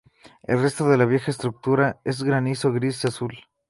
El resto de la vieja estructura es granito gris-azul.